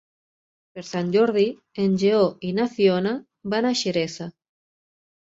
Per Sant Jordi en Lleó i na Fiona van a Xeresa.